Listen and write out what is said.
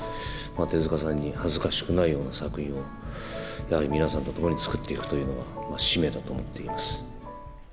手塚さんに恥ずかしくないような作品を、やはり皆さんと共に作っていくというのは、使命だと思っています。